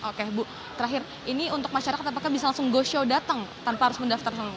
oke bu terakhir ini untuk masyarakat apakah bisa langsung go show datang tanpa harus mendaftar semua